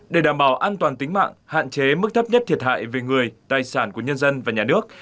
để đảm bảo an toàn tính mạng hạn chế mức thấp nhất thiệt hại về người tài sản của nhân dân và nhà nước